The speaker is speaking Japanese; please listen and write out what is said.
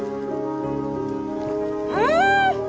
うん！